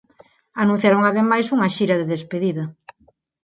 Anunciaron ademais unha xira de despedida.